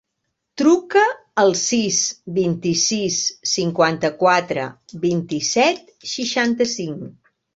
Truca al sis, vint-i-sis, cinquanta-quatre, vint-i-set, seixanta-cinc.